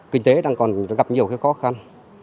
kinh tế đang còn gặp nhiều khó khăn